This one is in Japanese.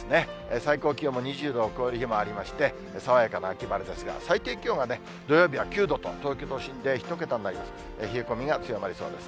最高気温も２０度を超える日もありまして、爽やかな秋晴れですが、最低気温は土曜日は９度と、東京都心で１桁になります。